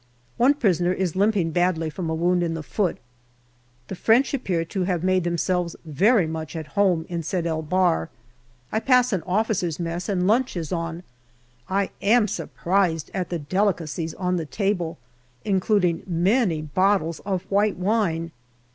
One prisoner is limping badly from a wound in the foot. The French appear to have made themselves very much at home in Sed el Bahr. I pass an officers' mess and lunch is on. I am surprised at the delicacies on the table, including many bottles of white wine.